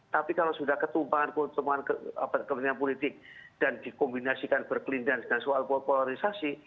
tapi kalau sudah ketumpangan ketuhan kepentingan politik dan dikombinasikan berkelindahan dengan soal popularisasi